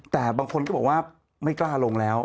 แต่บางคนก็บอกว่าไม่กล้าลงแล้ว